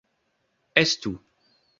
estu